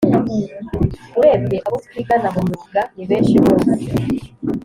urebye abo twigana mu myuga ni benshi rwos